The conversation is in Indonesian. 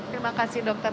terima kasih dokter